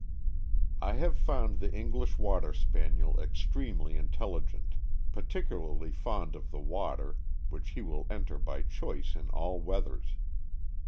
I have found the English Water Spaniel extremely intelli gent, particularly fond of the water, which he will enter by choice in all weathers.